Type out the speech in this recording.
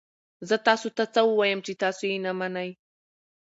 زه تاسو ته څه ووایم چې تاسو یې نه منئ؟